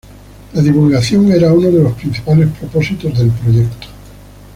La divulgación era uno de los principales propósitos del proyecto.